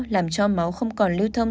làm cho máu không còn lưu thông